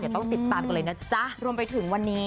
ต้องติดตามกันเลยนะจ๊ะรวมไปถึงวันนี้